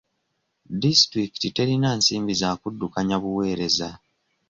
Disitulikiti terina nsimbi za kuddukanya buweereza.